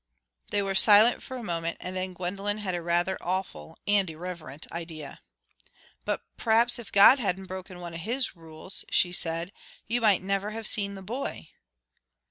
They were silent for a moment, and then Gwendolen had a rather awful and irreverent idea. "But p'raps if God hadn't broken one of His rules," she said, "you might never have seen the boy."